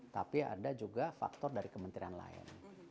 tapi ada juga faktor dari kementerian lain